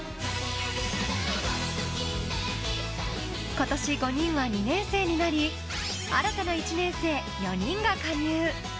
今年、５人は２年生になり新たな１年生４人が加入。